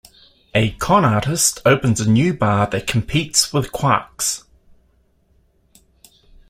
A con artist opens a new bar that competes with Quark's.